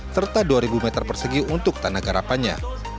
serta dua ribu meter persegi untuk tanah garapannya